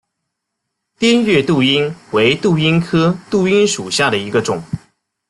滇越杜英为杜英科杜英属下的一个种。